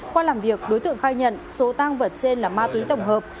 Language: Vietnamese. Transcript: qua làm việc đối tượng khai nhận số tang vật trên là ma túy tổng hợp